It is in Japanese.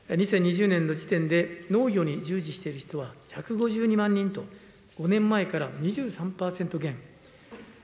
２０２０年の時点で農業に従事している人は１５２万人と、５年前から２３％減。